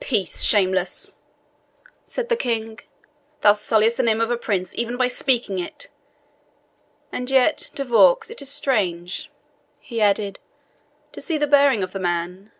"Peace, shameless!" said the King; "thou sulliest the name of a prince, even by speaking it. And yet, De Vaux, it is strange," he added, "to see the bearing of the man.